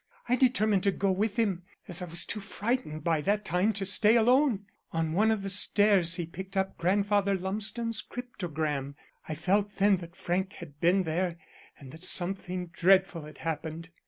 I determined to go with him, as I was too frightened by that time to stay alone. On one of the stairs he picked up Grandfather Lumsden's cryptogram. I felt then that Frank had been there, and that something dreadful had happened.